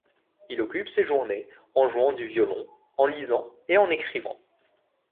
Il occupe ses journées en jouant du violon, en lisant et en écrivant.